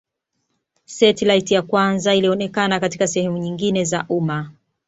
Setilaiti ya kwanza ilionekana katika sehemu nyingine za umma